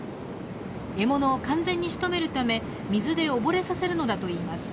獲物を完全にしとめるため水で溺れさせるのだといいます。